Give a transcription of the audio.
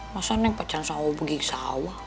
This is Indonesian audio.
masa neng pacan sama bu gigi sawah